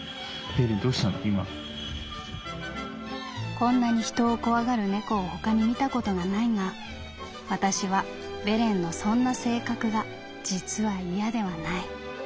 「こんなに人を怖がる猫を他に見たことがないがわたしはベレンのそんな性格が実は嫌ではない。